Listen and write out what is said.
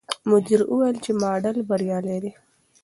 مدیر وویل چې ماډل بریالی دی.